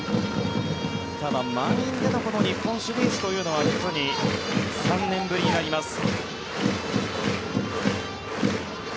ただ、満員での日本シリーズというのは実に３年ぶりになります。